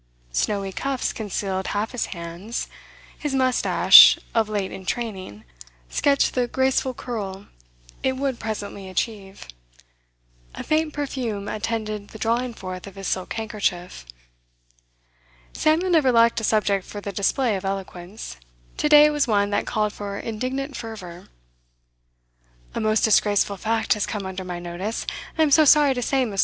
Snowy cuffs concealed half his hands; his moustache, of late in training, sketched the graceful curl it would presently achieve; a faint perfume attended the drawing forth of his silk handkerchief. Samuel never lacked a subject for the display of eloquence. Today it was one that called for indignant fervour. 'A most disgraceful fact has come under my notice, and I am sorry to say, Miss.